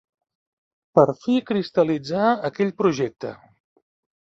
Per fi cristal·litzà aquell projecte.